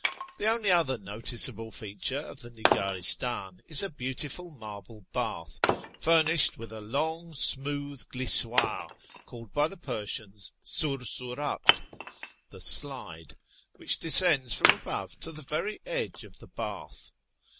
The only other noticeable feature of the Nigdristdn is a beautiful marble bath, furnished with a long smooth glissoire, called by the Persians sursurah (" the slide "), which descends from above to the very edge of the bath.